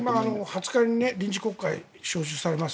２０日に、臨時国会召集されます。